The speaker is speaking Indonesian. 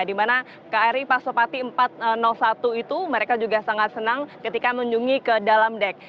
di mana kri pasopati empat ratus satu itu mereka juga sangat senang ketika mengunjungi ke dalam dek